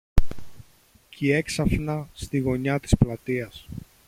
Κι έξαφνα, στη γωνιά της πλατείας